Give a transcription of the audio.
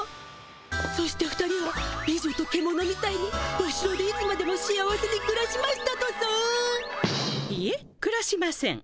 そして２人は「美女とケモノ」みたいにおしろでいつまでも幸せにくらしましたとさ♥いえくらしません。